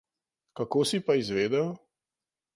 Kako si pa izvedel?